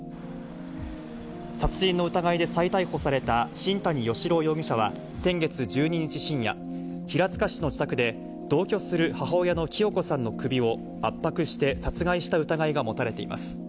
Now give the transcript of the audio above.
殺人の疑いで再逮捕された新谷嘉朗容疑者は先月１２日深夜、平塚市の自宅で、同居する母親の清子さんの首を圧迫して殺害した疑いが持たれています。